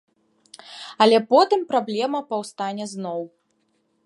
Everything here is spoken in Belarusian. Але потым праблема паўстане зноў.